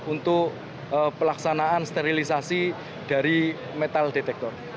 untuk pelaksanaan sterilisasi dari metal detektor